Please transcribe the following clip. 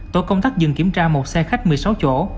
tổ công tác dừng kiểm tra một xe khách một mươi sáu chỗ